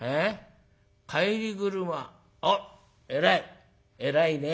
あっ偉い偉いね。